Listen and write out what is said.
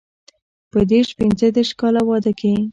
په دیرش پنځه دېرش کاله واده کې.